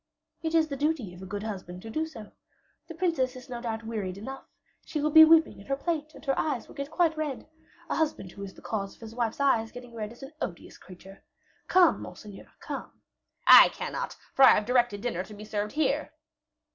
"It is the duty of a good husband to do so. The princess is no doubt wearied enough; she will be weeping in her plate, and here eyes will get quite red. A husband who is the cause of his wife's eyes getting red is an odious creature. Come, monseigneur, come." "I cannot; for I have directed dinner to be served here."